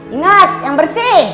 ingat yang bersih